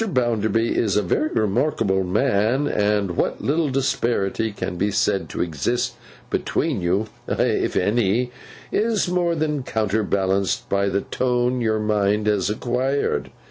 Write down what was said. Bounderby is a very remarkable man; and what little disparity can be said to exist between you—if any—is more than counterbalanced by the tone your mind has acquired.